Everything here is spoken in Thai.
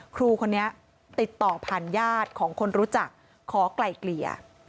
ครูคนนี้ติดต่อผ่านญาติของคนรู้จักขอไกล่เกลี่ย